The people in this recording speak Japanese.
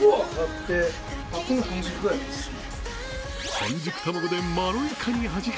半熟卵でまろやかに味変。